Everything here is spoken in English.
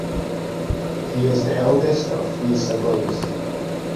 He is the eldest of three siblings.